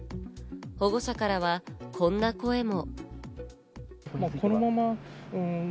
保護者からはこんな声も。